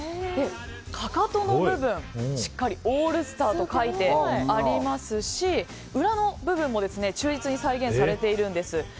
かかとの部分、しっかり「ＡＬＬＳＴＡＲ」と書いてありますし裏の部分も忠実に再現されているんです。